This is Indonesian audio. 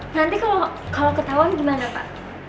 nanti kalau ketahuan gimana pak